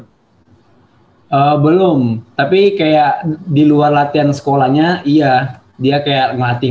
eee belum tapi kayak di luar latihan sekolahnya iya dia kayak ngati ngati gitu